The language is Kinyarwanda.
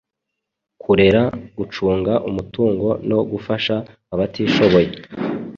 kurera, gucunga umutungo no gufasha abatishoboye.